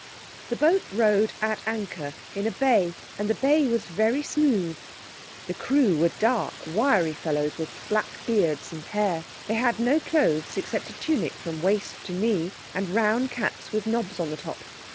The boat rode at anchor in a bay, and the bay was very smooth. The crew were dark, wiry fellows with black beards and hair. They had no clothes except a tunic from waist to knee, and round caps with knobs on the top.